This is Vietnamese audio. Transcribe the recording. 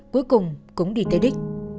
cuối cùng cũng đi tới đích